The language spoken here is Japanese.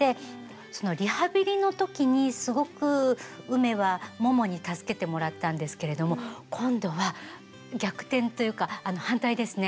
そのリハビリの時にすごくうめはももに助けてもらったんですけれども今度は逆転というか反対ですね。